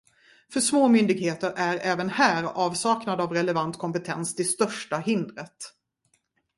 För små myndigheter är även här avsaknad av relevant kompetens det största hindret.